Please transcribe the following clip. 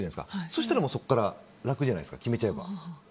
そしたら、そこから楽じゃないですか、決めちゃえば。